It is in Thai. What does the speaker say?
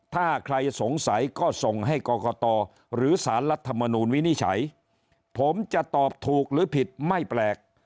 ถ้าใครสงสัยก็ส่งให้กรกตหรือสารรัฐมนูลวินิจฉัยผมจะตอบถูกหรือผิดไม่แปลก